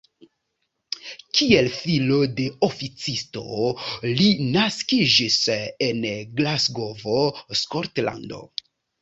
Kiel filo de oficisto li naskiĝis en Glasgovo, Skotlando.